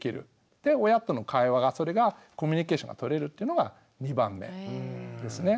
で親との会話がそれがコミュニケーションがとれるっていうのが２番目ですね。